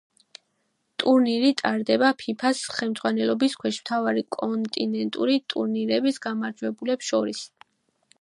ტურნირი ტარდება ფიფა-ს ხელმძღვანელობის ქვეშ მთავარი კონტინენტური ტურნირების გამარჯვებულებს შორის.